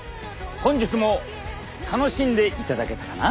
本日も楽しんでいただけたかな？